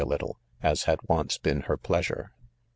a little, $s had once been her pleasure.